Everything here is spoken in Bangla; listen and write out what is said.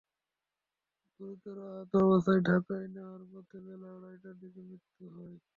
গুরুতর আহত অবস্থায় ঢাকায় নেওয়ার পথে বেলা আড়াইটার দিকে তাঁর মৃত্যু হয়।